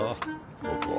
ここは。